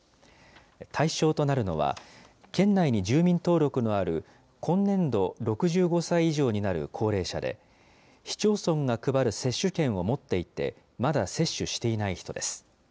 対象となるのは、県内に住民登録のある今年度６５歳以上になる高齢者で、市町村が配る接種券を持っていて、まだ接種していない人です。